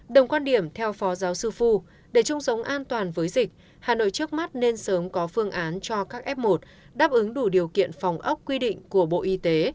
đồng quan điểm theo phó giáo sư phu để chung sống an toàn với dịch hà nội trước mắt nên sớm có phương án cho các f một đáp ứng đủ điều kiện phòng ốc quy định của bộ y tế